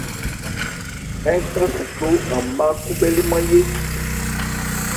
Ń ka sitó an má khúbhɛ́límán yé.